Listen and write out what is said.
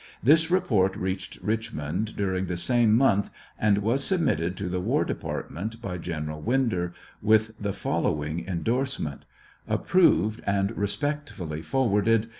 This report reached Richmond during the same month, and was submitted to the war department by General Winder, with the following indorsement : Approved and respectfully forwarded.